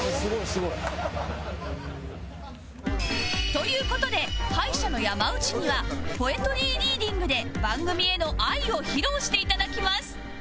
という事で敗者の山内にはポエトリーリーディングで番組への愛を披露していただきます